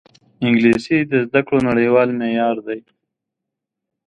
انګلیسي د زده کړو نړیوال معیار دی